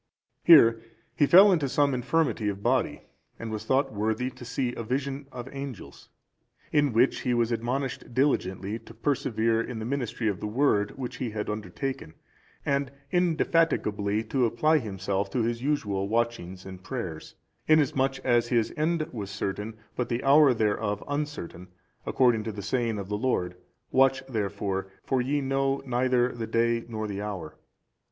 Here he fell into some infirmity of body, and was thought worthy to see a vision of angels; in which he was admonished diligently to persevere in the ministry of the Word which he had undertaken, and indefatigably to apply himself to his usual watching and prayers; inasmuch as his end was certain, but the hour thereof uncertain, according to the saying of our Lord, "Watch therefore, for ye know neither the day nor the hour."